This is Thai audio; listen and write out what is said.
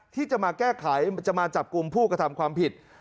ที่จะมาแก้ไขจะมาจับกลุ่มผู้กระทำความผิด